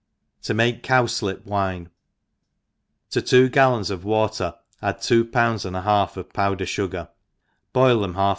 ,* To make Cdwsiip Wine* • TO two gallons of water add two pounds an4 a half of powder fugar, boil them half aa hbcif, :\■